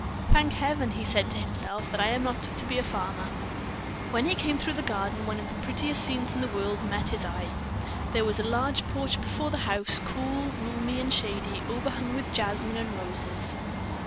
"Thank Heaven!" he said to himself, "that I am not to be a farmer." Then when he came through the garden, one of the prettiest scenes in the world met his eye. There was a large porch before the house, cool, roomy, and shady, overhung with jasmine and roses.